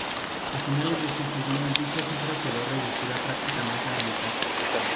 A finales de ese siglo dicha cifra quedó reducida prácticamente a la mitad.